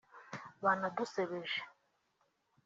banadusebeje